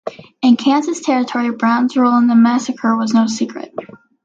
In Kansas Territory, Brown's role in the massacre was no secret.